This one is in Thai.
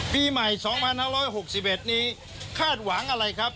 ปีใหม่๒๕๖๑นี้คาดหวังอะไรครับ